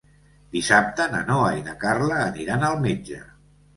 Dissabte na Noa i na Carla aniran al metge.